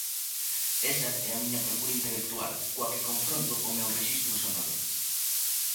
Esa é a miña procura intelectual, coa que confronto o meu rexistro sonoro.